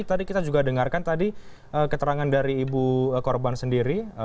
tadi kita juga dengarkan tadi keterangan dari ibu korban sendiri